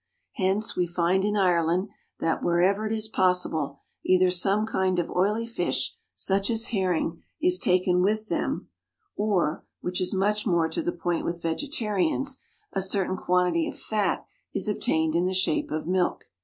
Hence we find in Ireland that, wherever it is possible, either some kind of oily fish, such as herring, is taken with them, or, which is much more to the point with vegetarians, a certain quantity of fat is obtained in the shape of milk.